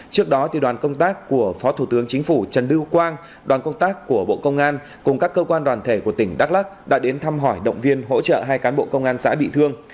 trước đó đoàn công tác của phó thủ tướng chính phủ trần lưu quang đoàn công tác của bộ công an cùng các cơ quan đoàn thể của tỉnh đắk lắc đã đến thăm hỏi động viên hỗ trợ hai cán bộ công an xã bị thương